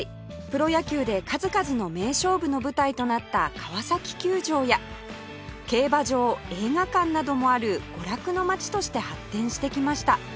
プロ野球で数々の名勝負の舞台となった川崎球場や競馬場映画館などもある娯楽の街として発展してきました